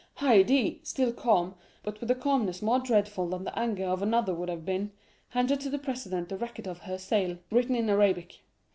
"Haydée, still calm, but with a calmness more dreadful than the anger of another would have been, handed to the president the record of her sale, written in Arabic.